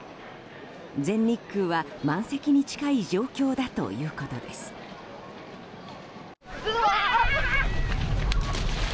全日空は満席に近い状況だということです。